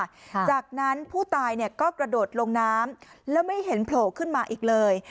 จากนั้นผู้ตายเนี่ยก็กระโดดลงน้ำแล้วไม่เห็นโผล่ขึ้นมาอีกเลย